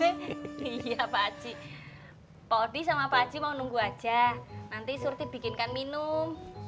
iya pak aci pak odi sama pak haji mau nunggu aja nanti surti bikinkan minum